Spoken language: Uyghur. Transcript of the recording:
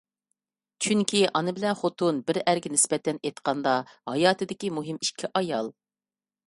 چۈنكى، ئانا بىلەن خوتۇن بىر ئەرگە نىسبەتەن ئېيتقاندا ھاياتىدىكى مۇھىم ئىككى ئايال.